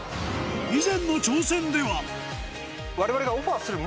以前の挑戦では我々が。